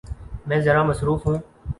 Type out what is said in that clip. میں ذرا مصروف ہوں۔